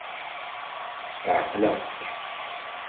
Ɛeqleɣ-k.